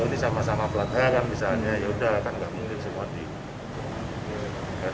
ini sama sama pelatangan misalnya yaudah akan gak mungkin sempat di